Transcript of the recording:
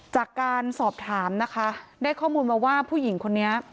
จากการสอบถามนะคะได้ข้อมูลมาว่าผู้หญิงคนนี้